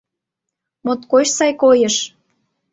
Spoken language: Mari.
Моткоч сай койыш!